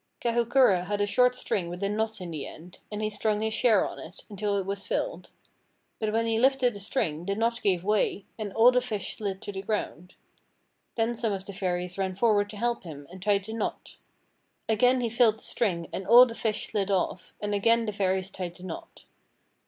Kahukura had a short string with a knot in the end, and he strung his share on it, until it was filled. But when he lifted the string the knot gave way, and all the fish slid to the ground. Then some of the Fairies ran forward to help him, and tied the knot. Again he filled the string and all the fish slid off, and again the Fairies tied the knot.